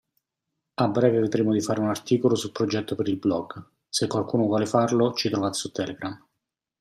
A breve vedremo di fare un articolo sul progetto per il blog, se qualcuno vuole farlo ci trovate su Telegram.